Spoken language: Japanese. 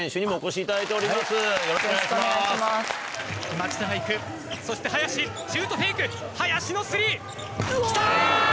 町田が行くそして林シュートフェイク林のスリー。来た！